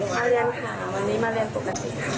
มาเรียนค่ะวันนี้มาเรียนปกติค่ะ